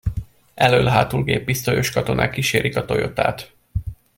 Elöl-hátul géppisztolyos katonák kísérik a Toyotát.